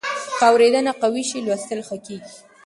که اورېدنه قوي وي، لوستل ښه کېږي.